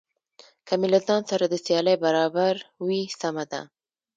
که مې له ځان سره د سیالۍ برابر وي سمه ده.